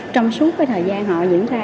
trong suốt cái thời gian họ diễn ra